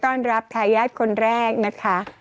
ทรยายสคนแรกนะคะ